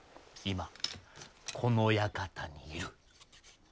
今この館にいる。